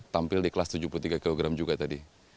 tampil di kelas tujuh puluh tiga kg juga tadi